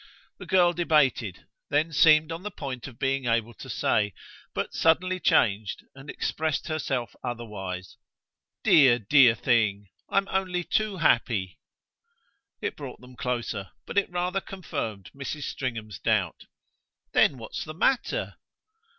The girl debated, then seemed on the point of being able to say; but suddenly changed and expressed herself otherwise. "Dear, dear thing I'm only too happy!" It brought them closer, but it rather confirmed Mrs. Stringham's doubt. "Then what's the matter?"